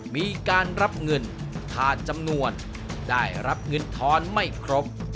มีการรับเงินขาดจำนวนได้รับเงินทอนไม่ครบ